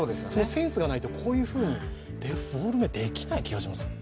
センスがないと、こういうふうにデフォルメできない気がします。